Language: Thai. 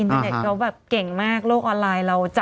อินเทอร์เน็ตเราแบบเก่งมากโลกออนไลน์เรา